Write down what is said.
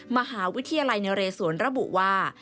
มหาวิทยาลัยนเรศวรระบุว่า